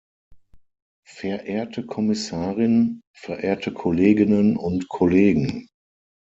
Verehrte Kommissarin, verehrte Kolleginnen und Kollegen!